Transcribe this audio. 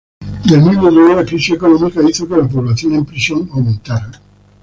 Del mismo modo, la crisis económica hizo que la población en prisión aumentara.